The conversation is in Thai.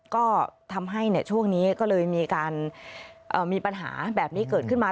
ก็ทำให้ช่วงนี้ก็เลยมีการมีปัญหาแบบนี้เกิดขึ้นมา